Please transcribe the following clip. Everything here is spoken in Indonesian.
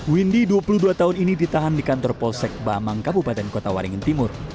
windy dua puluh dua tahun ini ditahan di kantor polsek bamang kabupaten kota waringin timur